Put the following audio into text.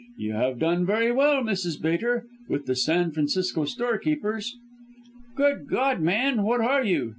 You have done very well, Mrs. Bater, with the San Francisco storekeepers.' "'Good God, man, what are you?'